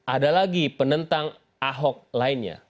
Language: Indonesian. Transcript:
ada lagi penentang ahok lainnya